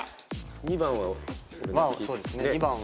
２番は。